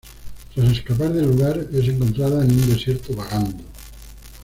Tras escapar del lugar es encontrada en un desierto vagando.